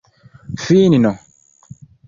finno